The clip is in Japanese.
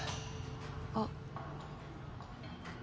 あっ。